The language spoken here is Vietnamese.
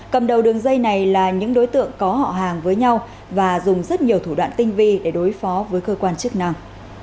cầm đầu đường dây này là những đối tượng có họ hàng với nhau và dùng rất nhiều thủ đoạn tinh vi để đối phó với cơ quan chức năng